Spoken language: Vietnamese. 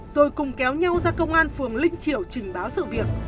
rồi cùng kéo nhau ra công an phường linh triệu trình báo sự việc